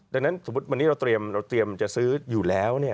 ดังนั้นสมมุติวันนี้เราเตรียมจะซื้ออยู่แล้ว